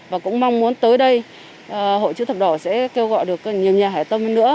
và cũng mong muốn tới đây hộ chữ thập đỏ sẽ kêu gọi được nhiều nhà hải tâm nữa